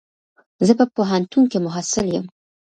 زه په پوهنتون کي محصل يم.